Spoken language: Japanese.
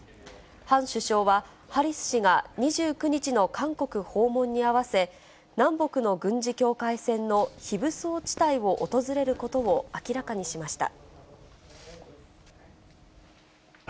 ハン首相は、ハリス氏が２９日の韓国訪問に合わせ、南北の軍事境界線の非武装地帯を訪れることを明らかにしました。